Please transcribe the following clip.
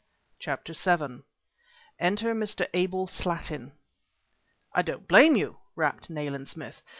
CHAPTER VII. ENTER MR. ABEL SLATTIN "I don't blame you!" rapped Nayland Smith.